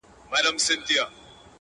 ژوند پکي اور دی. آتشستان دی.